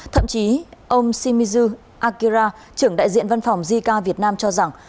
thậm chí ông shimizu akira trưởng đại diện văn phòng jica việt nam cho rằng